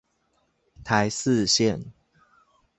台四線